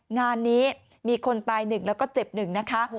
งานนี้มีคนตายหนึ่งแล้วก็เจ็บหนึ่งนะคะ